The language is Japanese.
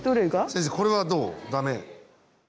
先生これはどう？ダメ？